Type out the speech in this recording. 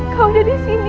kau udah disini